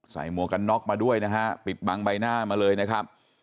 ใส่มวกันน็อคมาด้วยนะฮะปิดบังใบหน้ามาเลยนะ